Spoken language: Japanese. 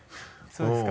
そうですか？